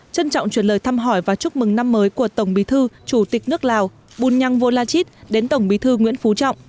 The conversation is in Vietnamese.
trân trọng chuyển lời thăm hỏi và chúc mừng năm mới của tổng bí thư chủ tịch nước lào bunyang volachit đến tổng bí thư nguyễn phú trọng